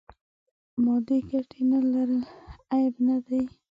مادې ګټې نه لرل عیب نه دی.